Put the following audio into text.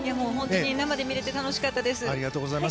生で見れて楽しかったです。